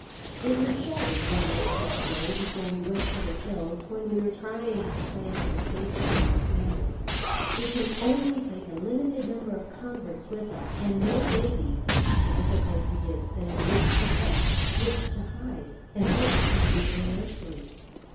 It was so one anxious day before we went to the hills, when we were trying to plan for the safety of our family. We can only take a limited number of converts with us, and no babies; the difficulty is then which to take, which to hide, and which to leave in the nurseries.